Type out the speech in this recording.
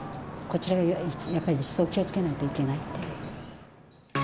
こちらがやっぱり一層気をつけないといけないって。